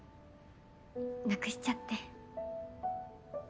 無くしちゃって。